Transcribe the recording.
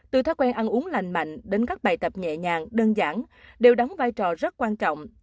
từ thói quen ăn uống lành mạnh đến các bài tập nhẹ nhàng đơn giản đều đóng vai trò rất quan trọng